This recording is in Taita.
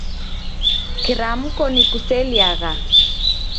Kiramko nikuseliagha